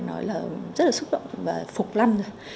nói là rất là xúc động và phục lâm